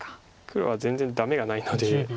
黒は全然ダメがないので。